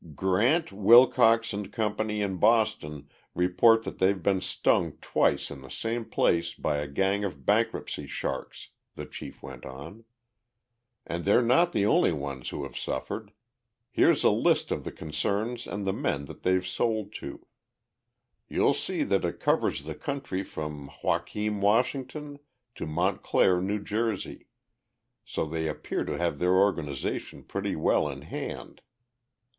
"Grant, Wilcox & Company, in Boston, report that they've been stung twice in the same place by a gang of bankruptcy sharks," the chief went on. "And they're not the only ones who have suffered. Here's a list of the concerns and the men that they've sold to. You'll see that it covers the country from Hoquiam, Washington, to Montclair, New Jersey so they appear to have their organization pretty well in hand.